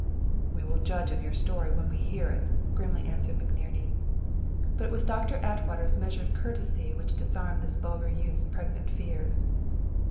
"We will judge of your story when we hear it," grimly answered McNerney. But it was Doctor Atwater's measured courtesy which disarmed this vulgar youth's pregnant fears.